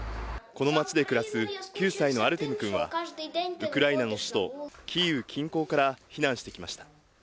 この街で暮らす９歳のアルテム君は、ウクライナの首都、キーウ近郊から避難してきました。